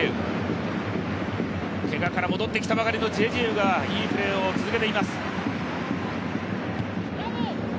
けがから戻ってきたばかりのジェジエウがいいプレーを続けています。